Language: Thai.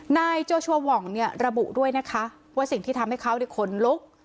นายโจชัวร์หว่องเนี่ยระบุด้วยนะคะว่าสิ่งที่ทำให้เขาขนลุก